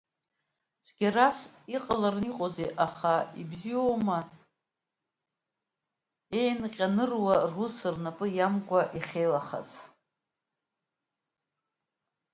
Цәгьарас иҟалараны иҟоузеи, аха ибзиоума еинҟьаныруа, рус рнапы иамкуа иахьеилахаз?